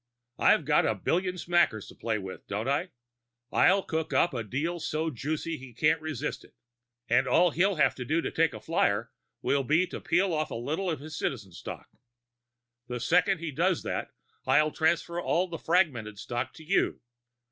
I've got a billion smackers to play with, don't I? I'll cook up a deal so juicy he can't resist it and all he'll have to do to take a flyer will be to peel off a little of his Citizen stock. The second he does that, I transfer all the fragmented stock to you.